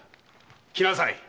来なさい。